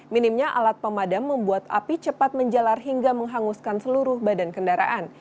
minimnya alat pemadam membuat api cepat menjalar hingga menghanguskan seluruh badan kendaraan